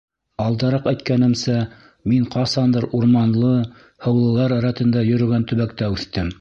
Алдараҡ әйткәнемсә, мин ҡасандыр урманлы, һыулылар рәтендә йөрөгән төбәктә үҫтем.